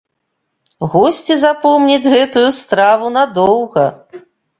Госці запомняць гэтую страву надоўга.